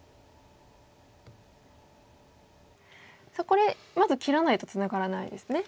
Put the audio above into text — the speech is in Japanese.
さあこれまず切らないとツナがらないですね。